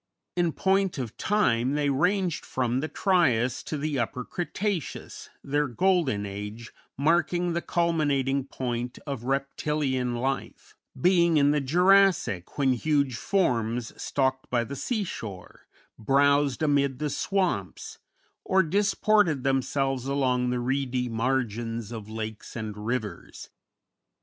In point of time they ranged from the Trias to the Upper Cretaceous, their golden age, marking the culminating point of reptilian life, being in the Jurassic, when huge forms stalked by the sea shore, browsed amid the swamps, or disported themselves along the reedy margins of lakes and rivers.